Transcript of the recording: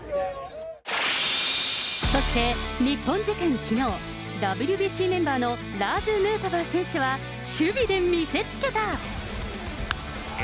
そして日本時間きのう、ＷＢＣメンバーのラーズ・ヌートバー選手は守備で見せつけた。